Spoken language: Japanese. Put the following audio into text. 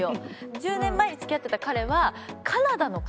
１０年前に付き合ってた彼はカナダの方で。